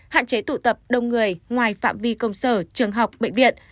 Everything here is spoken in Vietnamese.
hạn chế tụ tập đông người ngoài phạm vi công sở trường học bệnh viện